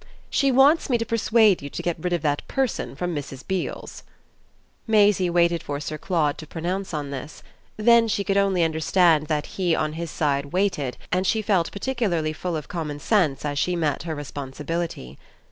"She wants me to persuade you to get rid of the person from Mrs. Beale's." Maisie waited for Sir Claude to pronounce on this; then she could only understand that he on his side waited, and she felt particularly full of common sense as she met her responsibility.